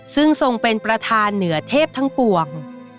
ซึ่งทรงเป็นประธานเหนือเทพทั้งปวง